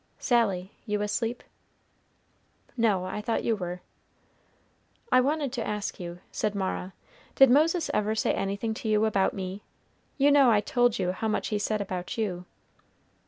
"Sally, you asleep?" "No, I thought you were." "I wanted to ask you," said Mara, "did Moses ever say anything to you about me? you know I told you how much he said about you."